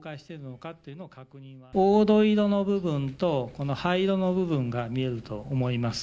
黄土色の部分と、この灰色の部分が見えると思います。